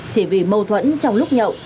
chỉ vì mâu thuẫn trong lúc nhậu